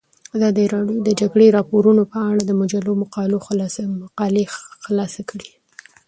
ازادي راډیو د د جګړې راپورونه په اړه د مجلو مقالو خلاصه کړې.